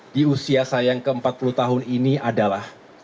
di usia saya yang ke empat puluh tahun ini adalah